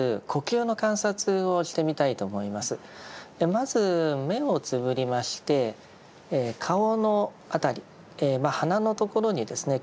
まず目をつむりまして顔の辺りまあ鼻のところにですね